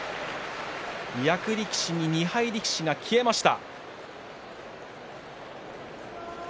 役力士に２敗力士が消えました。